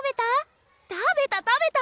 食べた食べた！